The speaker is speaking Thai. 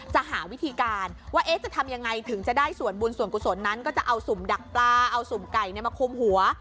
หาวิธีการว่าจะทำยังไงถึงจะได้ส่วนบุญส่วนกุศลนั้นก็จะเอาสุ่มดักปลาเอาสุ่มไก่มาคุมหัว